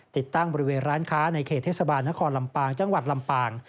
ติดตั้งบริเวณร้านค้าในเขตเทศบาลนครลำปางจังหวัดลำปาง